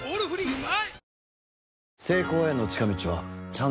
うまい！